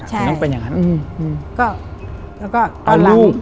ถึงต้องเป็นอย่างนั้น